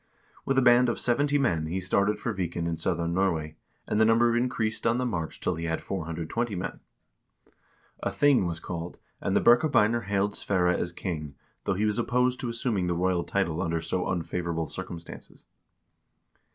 With a band of seventy men he started for Viken in southern Nor way, and the number increased on the march till he had 420 men. A thing was called, and the Birkebeiner hailed Sverre as king, though he was opposed to assuming the royal title under so unfavorable circumstances.